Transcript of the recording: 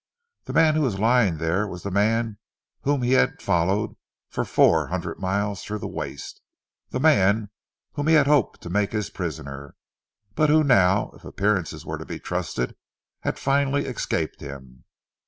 The man who was lying there was the man whom he had followed for four hundred miles through the waste, the man whom he had hoped to make his prisoner, but who now, if appearances were to be trusted, had finally escaped him.